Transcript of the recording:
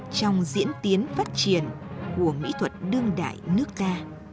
trong diễn tiến phát triển của mỹ thuật đương đại nước ta